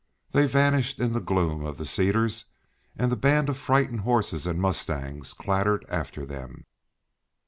They vanished in the gloom of the cedars, and the band of frightened horses and mustangs clattered after them.